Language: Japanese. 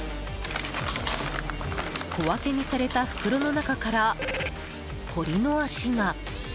小分けにされた袋の中から鶏の足が。